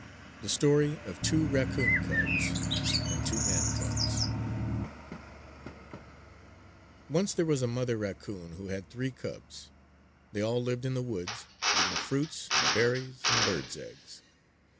THE STORY OF TWO RACCOON CUBS AND TWO MAN CUBS Once there was a mother raccoon who had three cubs; they all lived in the woods eating fruits and berries and birds' eggs.